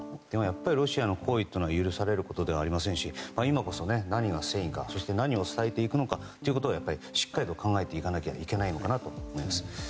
ロシアの行為は許されることではありませんし今こそ、何が正義かそして何を伝えていくのかしっかり考えていかなきゃいけないのかなと思います。